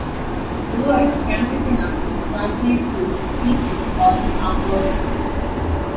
The word "campesina" translates to "peasant" or "farm worker.